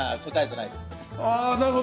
なるほど。